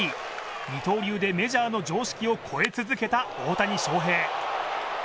二刀流でメジャーの常識を超え続けた大谷翔平。